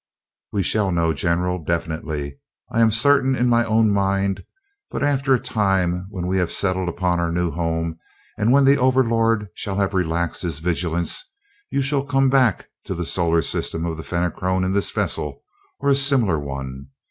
"We shall know, general, definitely. I am certain in my own mind, but after a time, when we have settled upon our new home and when the Overlord shall have relaxed his vigilance, you shall come back to the solar system of the Fenachrone in this vessel or a similar one.